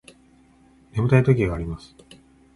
眠たい時があります